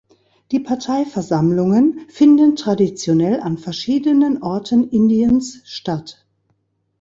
Die Parteiversammlungen finden traditionell an verschiedenen Orten Indiens statt.